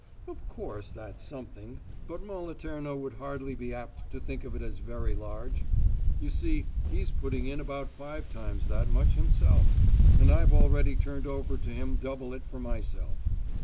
"Of course that's something, but Moliterno would hardly be apt to think of it as very large! You see he's putting in about five times that much, himself, and I've already turned over to him double it for myself.